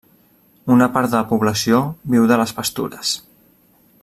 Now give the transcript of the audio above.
Una part de la població viu de les pastures.